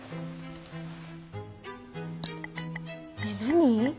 えっ何？